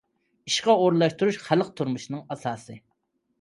ئىشقا ئورۇنلاشتۇرۇش— خەلق تۇرمۇشىنىڭ ئاساسى.